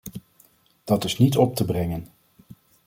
Dat is niet op te brengen.